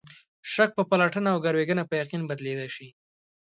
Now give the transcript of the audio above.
شک په پلټنه او ګروېږنه په یقین بدلېدای شي.